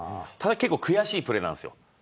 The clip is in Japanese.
結構、悔しいプレーなんですよ